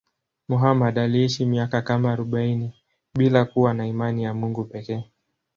Muhammad aliishi miaka kama arobaini bila kuwa na imani ya Mungu pekee.